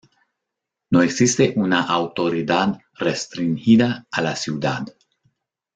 No existe una autoridad restringida a la ciudad.